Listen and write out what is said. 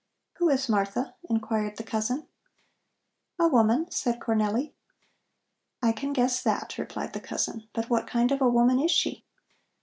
"Who is Martha?" inquired the cousin. "A woman," said Cornelli. "I can guess that," replied the cousin. "But what kind of a woman is she?"